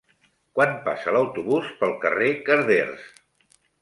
Quan passa l'autobús pel carrer Carders?